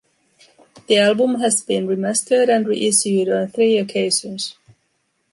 The album has been remastered and reissued on three occasions.